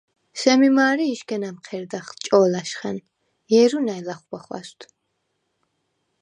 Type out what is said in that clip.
სემი მა̄რე იშგენ ა̈მჴერდახ ჭო̄ლა̈შხა̈ნ, ჲერუ ნა̈ჲ ლახვბა ხვა̈სვდ.